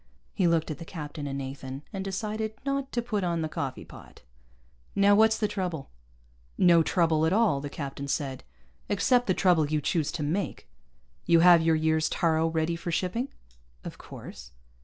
He looked at the captain and Nathan, and decided not to put on the coffee pot. "Now what's the trouble?" "No trouble at all," the captain said, "except the trouble you choose to make. You have your year's taaro ready for shipping?" "Of course."